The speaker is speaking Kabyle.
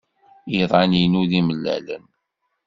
Iḍan-inu d imellalen.